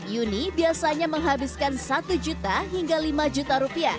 yuni biasanya menghabiskan rp satu hingga rp lima